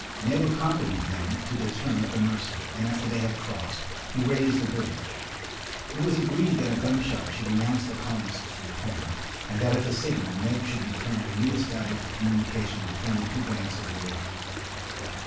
Neb accompanied them to the turn of the Mercy, and after they had crossed, he raised the bridge. It was agreed that a gunshot should announce the colonists' return, and that at the signal Neb should return and reestablish the communication between the two banks of the river.